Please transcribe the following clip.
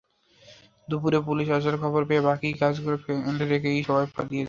দুপুরে পুলিশ আসার খবর পেয়ে বাকি গাছগুলো ফেলে রেখে সবাই পালিয়ে যান।